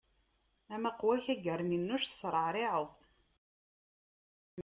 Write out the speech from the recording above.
Amaqwa-k a gerninuc, tesreɛriɛeḍ!